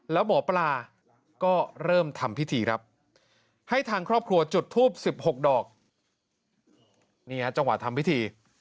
แล้วหมอปลาก็เริ่มทำวิธี